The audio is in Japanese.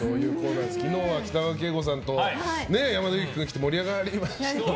昨日は北川景子さんと山田裕貴君が来て盛り上がりましたよね。